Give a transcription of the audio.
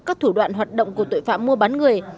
các thủ đoạn hoạt động của tội phạm mua bán người